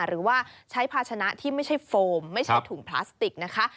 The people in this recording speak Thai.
หรือว่าใช้ภาชนะที่ไม่ใช่โฟมไม่ใช่ถุงพลาสติกนะคะ